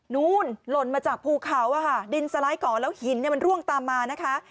นู่นหล่นมาจากภูเขาดินสไลด์เกาะแล้วหินมันร่วงตามมานะคะ